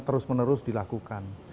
terus menerus dilakukan